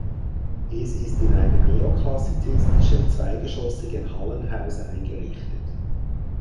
Es ist in einem neoklassizistischen zweigeschossigen Hallenhaus eingerichtet.